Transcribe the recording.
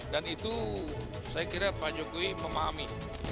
dan itu saya kira pak jokowi memahami